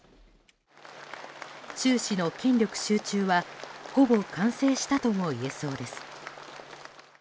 習氏の権力集中はほぼ完成したともいえそうです。